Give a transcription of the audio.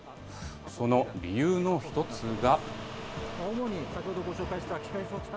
その理由の一つが。